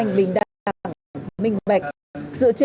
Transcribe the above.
nguyên tắc thị trường công bằng lợi ích hệ hòa rủi ro chia sẻ